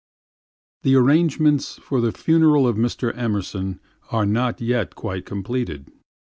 The arrangements for the funeral of Mr. Emerson are not yet quite completed.